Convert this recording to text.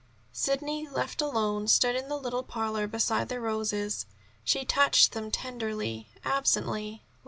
Sidney, left alone, stood in the little parlor beside the roses. She touched them tenderly, absently.